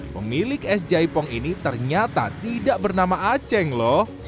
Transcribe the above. pemilik es jaipong ini ternyata tidak bernama aceng loh